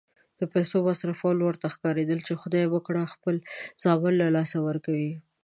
د پیسو مصرفول ورته ښکارېدل چې خدای مه کړه خپل زامن له لاسه ورکوي.